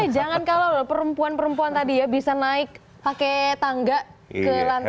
jangan kalau perempuan perempuan tadi ya bisa naik pakai tangga ke lantai